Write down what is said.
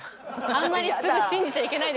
あんまりすぐ信じちゃいけないです。